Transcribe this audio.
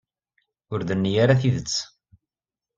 Ur d-tenni ara tidet.